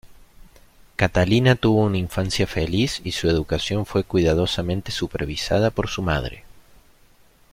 Catalina tuvo una infancia feliz y su educación fue cuidadosamente supervisada por su madre.